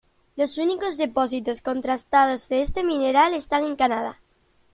Los únicos depósitos contrastados de este mineral están en Canadá.